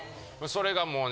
それがもうね